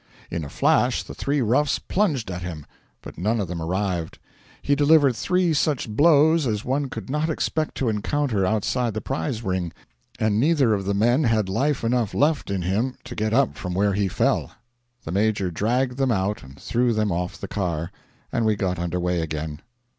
In a flash the three roughs plunged at him. But none of them arrived. He delivered three such blows as one could not expect to encounter outside the prize ring, and neither of the men had life enough left in him to get up from where he fell. The Major dragged them out and threw them off the car, and we got under way again.